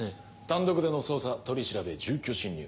単独での捜査取り調べ住居侵入。